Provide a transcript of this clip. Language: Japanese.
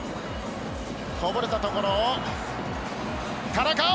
こぼれたところを田中碧！